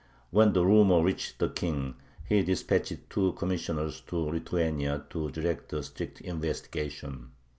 When the rumor reached the King, he dispatched two commissioners to Lithuania to direct a strict investigation.